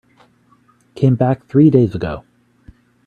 Came back three days ago.